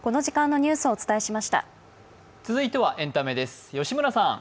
続いてはエンタメです。